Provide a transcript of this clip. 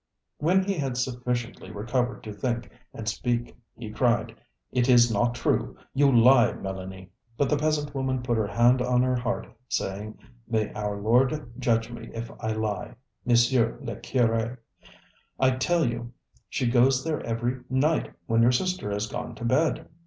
When he had sufficiently recovered to think and speak he cried: ŌĆ£It is not true; you lie, Melanie! ŌĆØ But the peasant woman put her hand on her heart, saying: ŌĆ£May our Lord judge me if I lie, Monsieur le Cure! I tell you, she goes there every night when your sister has gone to bed.